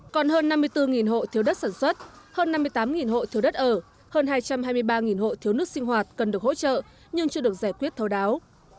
còn hơn năm mươi bốn hộ thiếu đất sản xuất hơn năm mươi tám hộ thiếu đất ở hơn hai trăm hai mươi ba hộ thiếu nước sinh hoạt cần được hỗ trợ nhưng chưa được giải quyết thâu đáo